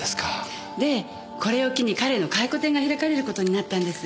でこれを機に彼の回顧展が開かれることになったんです。